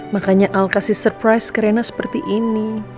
makanya al kasih surprise ke rena seperti ini